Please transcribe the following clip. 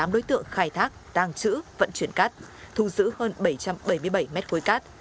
một mươi tám đối tượng khai thác tàng trữ vận chuyển cát thu giữ hơn bảy trăm bảy mươi bảy m ba cát